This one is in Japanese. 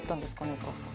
お母さん」